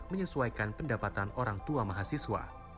menyesuaikan pendapatan orang tua mahasiswa